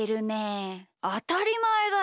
あたりまえだよ。